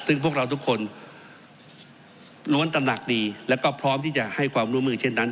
ซึ่งพวกเราทุกคนล้วนตระหนักดีแล้วก็พร้อมที่จะให้ความร่วมมือเช่นนั้น